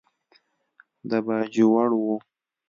د باجوړ و.